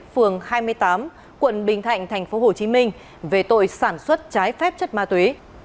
phường hai mươi tám quận bình thạnh tp hcm về tội sản xuất trái phép chất ma túy